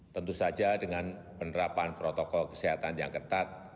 tentu saja dengan penerapan protokol kesehatan yang ketat